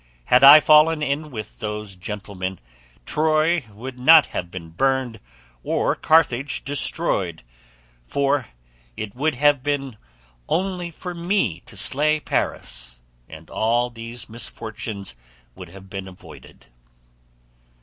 Had I fallen in with those gentlemen, Troy would not have been burned or Carthage destroyed, for it would have been only for me to slay Paris, and all these misfortunes would have been avoided."